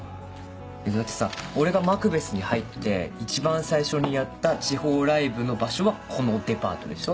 だってさ俺がマクベスに入って一番最初にやった地方ライブの場所がこのデパートでしょ？